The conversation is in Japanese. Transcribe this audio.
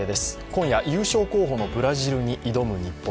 今夜、優勝候補のブラジルに挑む日本。